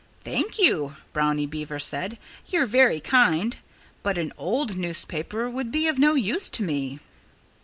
"Thank you!" Brownie Beaver said. "You're very kind. But an old newspaper would be of no use to me."